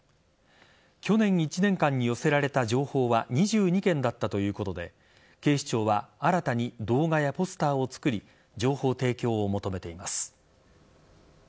去年１年間に寄せられた情報は２２件だったということで警視庁は新たに動画やポスターを作り情報提供を求めています。